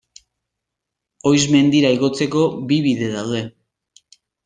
Oiz mendira igotzeko bi bide daude.